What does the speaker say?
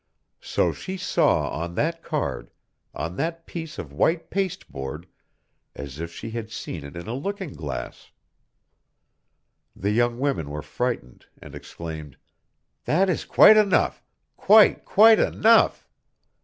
So she saw on that card, on that piece of white pasteboard, as if she had seen it in a looking glass. The young women were frightened, and exclaimed: "That is quite enough! Quite, quite enough!"